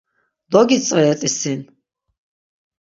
Dogitzveret̆i sin.